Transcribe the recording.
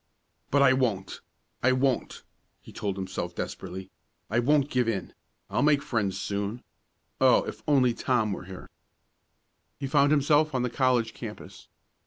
"But I won't! I won't!" he told himself desperately. "I won't give in. I'll make friends soon! Oh, if only Tom were here!" He found himself on the college campus.